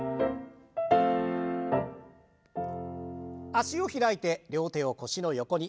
脚を開いて両手を腰の横に。